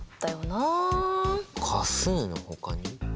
価数のほかに？